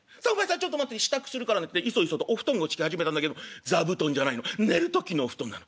『ちょっと待って支度するからね』といそいそとお布団を敷き始めたんだけど座布団じゃないの寝る時のお布団なの。